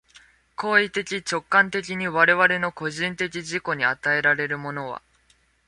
行為的直観的に我々の個人的自己に与えられるものは、